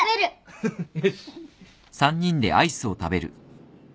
フフよし。